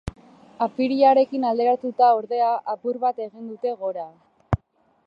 Apirilarekin alderatuta, ordea, apur bat egin dute gora.